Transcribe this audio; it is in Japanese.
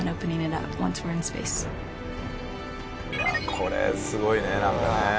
これすごいねなんかね。